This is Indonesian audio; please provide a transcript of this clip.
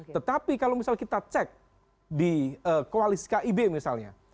tetapi kalau misal kita cek di koalisi kib misalnya